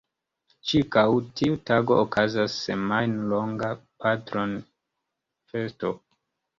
Ĉirkaŭ tiu tago okazas semajnlonga patronfesto.